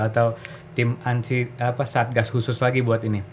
atau tim satgas khusus lagi buat ini